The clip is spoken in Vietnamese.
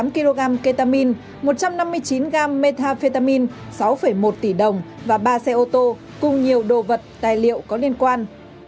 bốn tám kg ketamine một trăm năm mươi chín gram methamphetamine sáu một tỷ đồng và ba xe ô tô cùng nhiều đồ vật tài liệu có liên quan